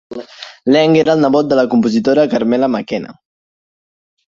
Leng era el nebot de la compositora Carmela Mackenna.